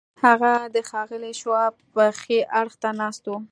هغه د ښاغلي شواب ښي اړخ ته ناست و